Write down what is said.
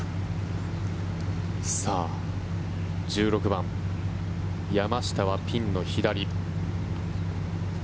１６番、山下はピンの左。